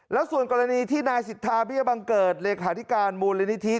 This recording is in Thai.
แล้วส่วนกรณีที่นายสิทธาเบี้ยบังเกิดเลขาธิการมูลนิธิ